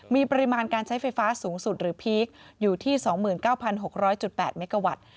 มีปริมาณการใช้ไฟฟ้าสูงสุดหรือพีคอยู่ที่๒๙๖๐๘เมกาวัตต์